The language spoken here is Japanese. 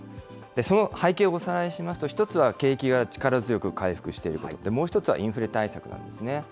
その背景をおさらいしますと、１つは景気が力強く回復していること、もう一つはインフレ対策なんですね。